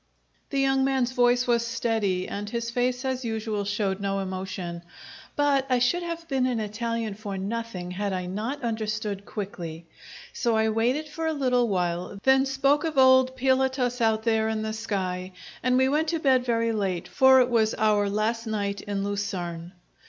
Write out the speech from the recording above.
The young man's voice was steady, and his face, as usual, showed no emotion, but I should have been an Italian for nothing had I not understood quickly. So I waited for a little while, then spoke of old Pilatus out there in the sky, and we went to bed very late, for it was out last night in Lucerne.